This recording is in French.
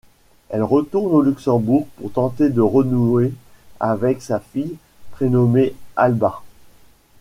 Elle retourne au Luxembourg pour tenter de renouer avec sa fille prénommée Alba.